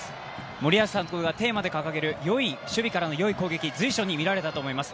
森保監督がテーマで掲げる、よい守備からのよい攻撃、随所に見られたと思います。